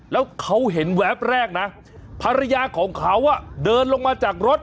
แล้วเขาเห็นแวบแรกนะภรรยาของเขาเดินลงมาจากรถ